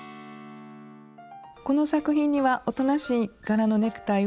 この作品にはおとなしい柄のネクタイを使用しています。